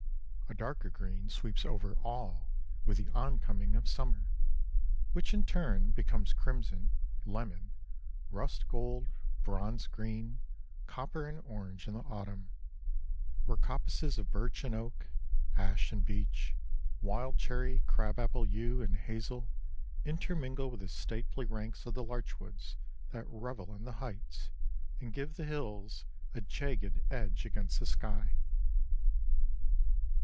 A darker green sweeps over all with the oncoming of summer, which in turn becomes crimson, lemon, rust gold, bronze green, copper and orange in the autumn, where coppices of birch and oak, ash and beech, wild cherry, crab apple, yew and hazel intermingle with the stately ranks of the larch woods that revel in the heights, and give the hills a jagged edge against the sky.